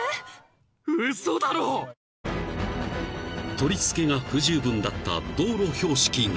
［取り付けが不十分だった道路標識が］